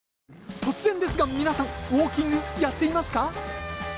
突然ですが皆さんウォーキングやっていますか？